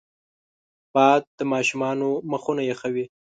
باد د ماشومانو مخونه یخوي